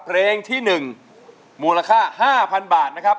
เพลงที่๑มูลค่า๕๐๐๐บาทนะครับ